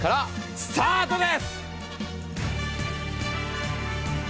スタートです！